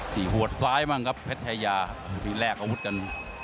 หัวซ้ายบ้างครับเพชรชายาที่แลกอาวุธกัน